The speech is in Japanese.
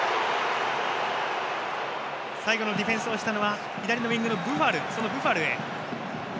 最後のディフェンスをしたのは左のウィングのブファル。